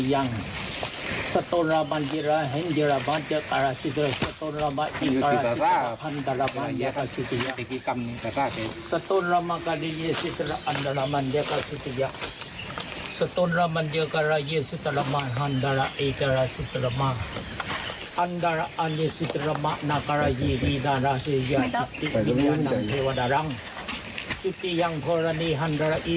ยาวขึ้นมาเลยจับถูกไหมให้